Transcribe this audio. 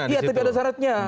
iya tapi ada syaratnya